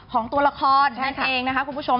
ของตัวละครนั่นเองนะคะคุณผู้ชม